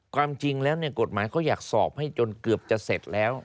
ความจริงแล้วกฎหมายเขาอยากสอบให้จนเกือบจะเสร็จแล้ว